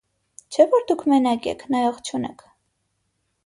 Չէ՞ որ դուք մենակ եք, նայող չունեք: